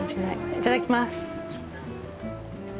いただきます。